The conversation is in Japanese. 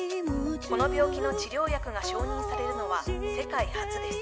この病気の治療薬が承認されるのは世界初です